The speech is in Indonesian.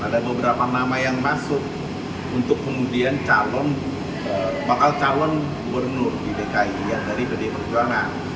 ada beberapa nama yang masuk untuk kemudian calon bakal calon gubernur di dki yang dari pdi perjuangan